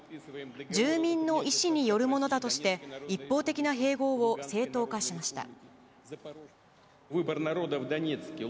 住民の意思によるものだとして、一方的な併合を正当化しました。